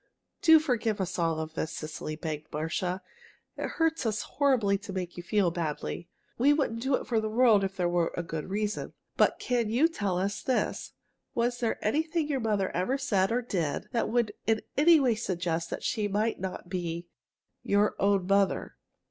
"Do forgive us for all this, Cecily," begged Marcia. "It hurts us horribly to make you feel badly. We wouldn't do it for the world if there weren't a good reason. But can you tell us this? Was there anything your mother ever said or did that would in any way suggest that she might not be your own mother?